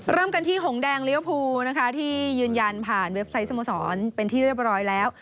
เริ่มกันที่หงแดงลิเวอร์พูนะคะที่ยืนยันผ่านเว็บไซต์สโมสรเป็นที่เรียบร้อยแล้ว